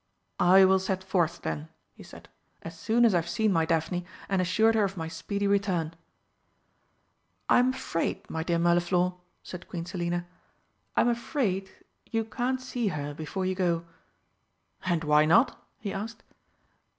"I will set forth, then," he said, "as soon as I have seen my Daphne and assured her of my speedy return." "I'm afraid, my dear Mirliflor," said Queen Selina, "I'm afraid you can't see her before you go." "And why not?" he asked.